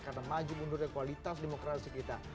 karena maju mundurnya kualitas demokrasi kita